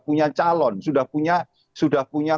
punya calon sudah punya